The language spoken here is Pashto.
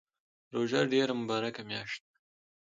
روژه ډیره مبارکه میاشت ده